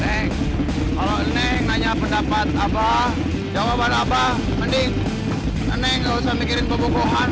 neng kalau enek nanya pendapat abah jawaban abah mending eneng gausah mikirin bobo kohan